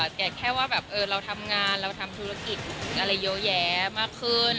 แต่แค่ว่าแบบเราทำงานเราทำธุรกิจอะไรเยอะแยะมากขึ้น